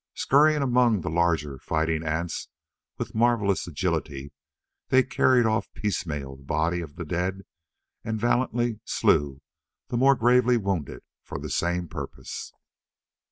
Scurrying among the larger, fighting ants with marvelous agility, they carried off piecemeal the bodies of the dead and valiantly slew the more gravely wounded for the same purpose.